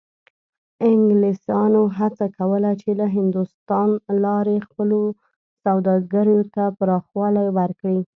انګلیسانو هڅه کوله چې له هندوستان لارې خپلو سوداګریو ته پراخوالی ورکړي.